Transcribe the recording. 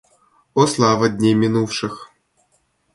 О слава дней минувших!